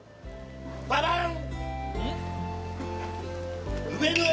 ババン！